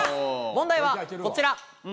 問題はこちら。